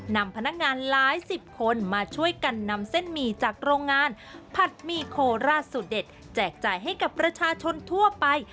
นำพนักงานหลายสิบคนมาช่วยกันนำเส้นหมี่จากโรงงานผัดหมี่โคราชสุดเด็ดแจกจ่ายให้กับประชาชนทั่วไป